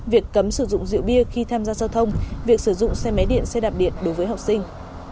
việc cấm sử dụng rượu bia khi tham gia giao thông việc sử dụng xe máy điện xe đạp điện đối với học sinh